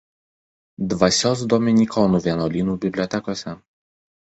Dvasios dominikonų vienuolynų bibliotekose.